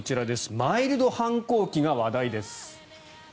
マイルド反抗期が話題です。